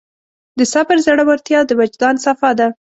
د صبر زړورتیا د وجدان صفا ده.